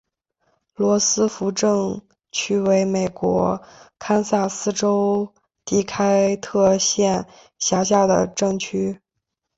罗斯福镇区为美国堪萨斯州第开特县辖下的镇区。